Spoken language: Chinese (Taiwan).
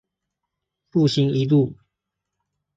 復興一路